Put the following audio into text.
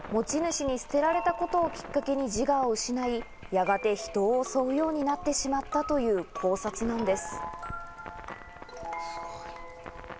持ち主に捨てられたことをきっかけに、自我を失い、やがて人を襲うようになってしまったという考察なんです。